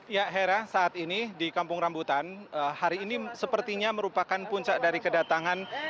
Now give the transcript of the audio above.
ya hera saat ini di kampung rambutan hari ini sepertinya merupakan puncak dari kedatangan